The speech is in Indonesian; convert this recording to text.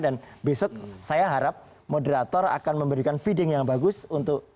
dan besok saya harap moderator akan memberikan feeding yang bagus untuk